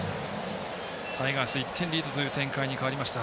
タイガース、１点リードという展開に変わりました。